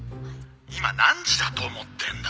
「今何時だと思ってんだよ」